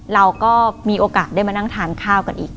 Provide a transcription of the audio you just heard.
เราก็มีโอกาสได้มานั่งทานข้าวกันอีก